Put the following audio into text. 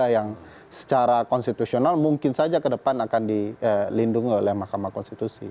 yang secara konstitusional mungkin saja ke depan akan dilindungi oleh mahkamah konstitusi